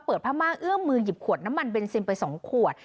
ผ้าม่าเอื้อมมือหยิบขวดน้ำมันเบนซินไป๒ขวด